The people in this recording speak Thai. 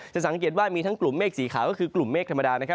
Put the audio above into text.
สังเกตว่ามีทั้งกลุ่มเมฆสีขาวก็คือกลุ่มเมฆธรรมดานะครับ